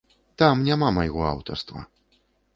Там няма майго аўтарства.